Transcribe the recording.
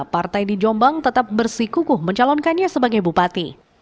partai di jombang tetap bersikukuh mencalonkannya sebagai bupati